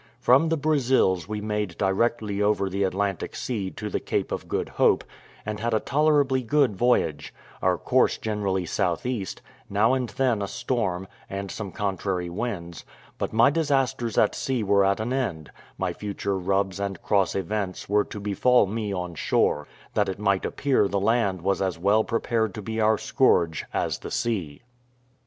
From the Brazils we made directly over the Atlantic Sea to the Cape of Good Hope, and had a tolerably good voyage, our course generally south east, now and then a storm, and some contrary winds; but my disasters at sea were at an end my future rubs and cross events were to befall me on shore, that it might appear the land was as well prepared to be our scourge as the sea.